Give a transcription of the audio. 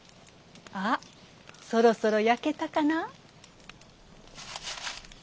あっそろそろ焼けたかな？